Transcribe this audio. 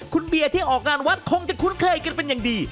คุณเบียร์ที่ออกงานวัดคงจะคุ้นเคยกันเป็นอย่างดี